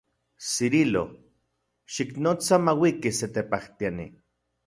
Cirilo, xiknotsa mauiki se tepajtiani.